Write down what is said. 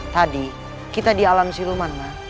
tadi kita di alam sulman